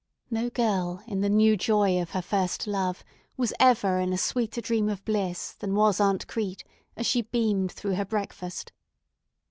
No girl in the new joy of her first love was ever in a sweeter dream of bliss than was Aunt Crete as she beamed through her breakfast.